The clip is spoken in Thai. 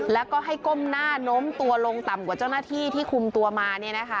แล้วก็ให้ก้มหน้าโน้มตัวลงต่ำกว่าเจ้าหน้าที่ที่คุมตัวมา